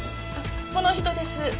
この人です。